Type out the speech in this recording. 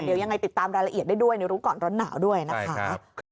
เดี๋ยวยังไงติดตามรายละเอียดได้ด้วยในรู้ก่อนร้อนหนาวด้วยนะคะ